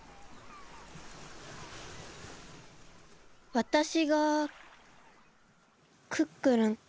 わたしがクックルンか。